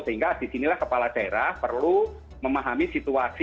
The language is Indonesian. sehingga di sinilah kepala daerah perlu memahami situasi